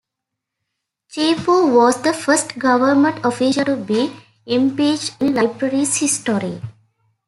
Cheapoo was the first government official to be impeached in Liberia's history.